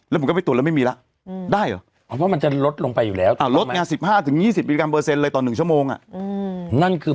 แล้วผมก็ไปสรวจแล้วไม่มีละ